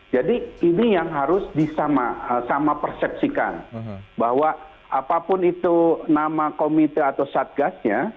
jadi ini yang harus disama sama persepsikan bahwa apapun itu nama komite atau satgasnya